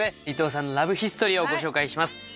伊藤さんのラブヒストリーをご紹介します。